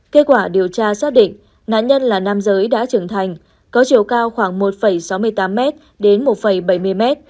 kết quả điều tra xác định nạn nhân là nam giới đã trưởng thành có chiều cao khoảng một sáu mươi tám m đến một bảy mươi m